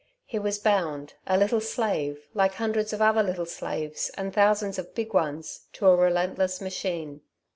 He was bound, a little slave, like hundreds of other little slaves and thousands of big ones, to a relentless machine.